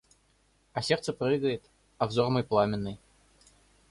А сердце прыгает, а взор мой пламенный.